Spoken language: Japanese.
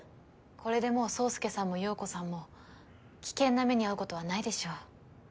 これでもう宗介さんも葉子さんも危険な目に遭うことはないでしょう。